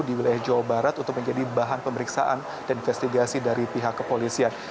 di wilayah jawa barat untuk menjadi bahan pemeriksaan dan investigasi dari pihak kepolisian